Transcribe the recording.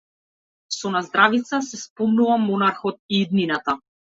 Со наздравица се споменува монархот и иднината.